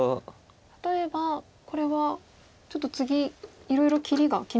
例えばこれはちょっと次いろいろ切りが気になりますね。